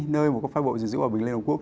nơi có phái bộ dân dữ hòa bình liên hợp quốc